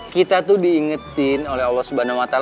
kita tuh diingetin oleh allah swt